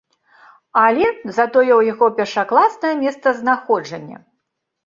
Але, затое ў яго першакласнае месцазнаходжанне.